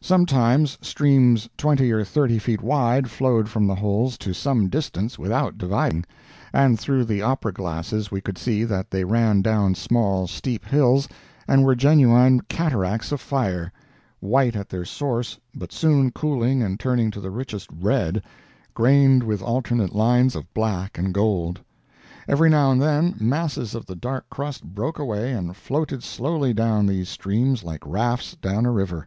Sometimes streams twenty or thirty feet wide flowed from the holes to some distance without dividing—and through the opera glasses we could see that they ran down small, steep hills and were genuine cataracts of fire, white at their source but soon cooling and turning to the richest red, grained with alternate lines of black and gold. Every now and then masses of the dark crust broke away and floated slowly down these streams like rafts down a river.